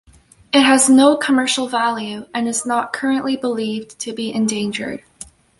It has no commercial value, and is not currently believed to be endangered.